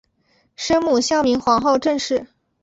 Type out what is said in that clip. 生母孝明皇后郑氏。